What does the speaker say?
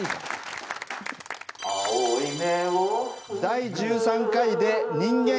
第１３回で人間